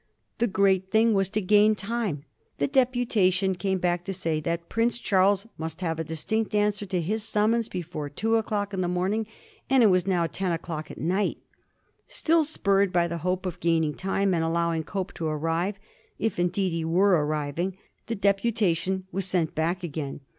The great thing was to gain time. The deputation came back to say that Prince Charles must have a distinct answer to his summons be fore two o'clock in the morning, and it was now ten at night. Still spurred by the hope of gaining time, and allowing Cope to arrive, if, indeed, he were arriving, the deputation was sent back again.